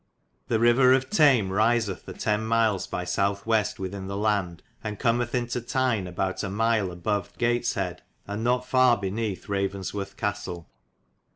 The ryver of Tame'^ risith a 10. miles by south west within the land, and cummith into Tyne aboute a mile above Getished,^ and not far bynethe Ravensworth Castelle.